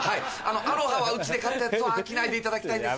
アロハはうちで買ったやつは着ないでいただきたいんです。